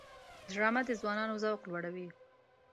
ډرامه د ځوانانو ذوق لوړوي